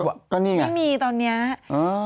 พี่แมว่ะแต่หนุ่มไม่ได้พี่แมว่ะแต่หนุ่มไม่ได้